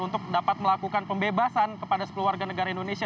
untuk dapat melakukan pembebasan kepada sepuluh warga negara indonesia